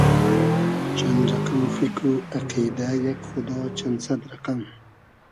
چئن رئقئم فیکر و اقیدۂ یئگ خودا چئن سئد رئقئم